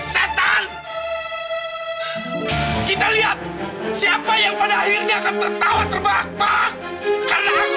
setan kita lihat siapa yang pada akhirnya akan tertawa terbakbak karena aku